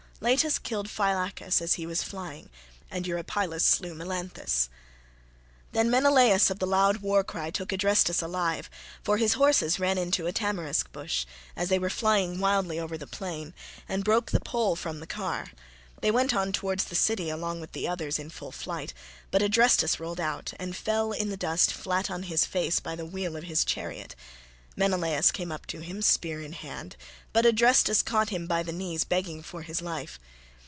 Leitus killed Phylacus as he was flying, and Eurypylus slew Melanthus. Then Menelaus of the loud war cry took Adrestus alive, for his horses ran into a tamarisk bush, as they were flying wildly over the plain, and broke the pole from the car; they went on towards the city along with the others in full flight, but Adrestus rolled out, and fell in the dust flat on his face by the wheel of his chariot; Menelaus came up to him spear in hand, but Adrestus caught him by the knees begging for his life.